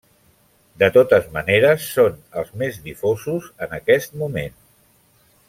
De totes maneres són els més difosos en aquest moment.